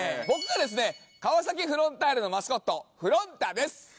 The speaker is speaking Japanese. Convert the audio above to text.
僕がですね川崎フロンターレのマスコットふろん太です。